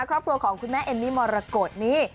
ครอบครัวของคุณแม่เอมมี่มรกฏนี่